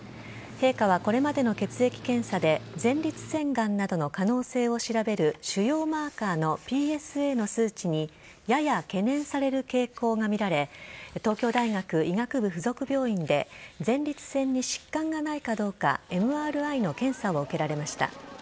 陛下はこれまでの血液検査で前立腺がんなどの可能性を調べる腫瘍マーカーのＰＳＡの数値にやや懸念される傾向が見られ東京大学医学部附属病院で前立腺に疾患がないかどうかＭＲＩの検査を受けられました。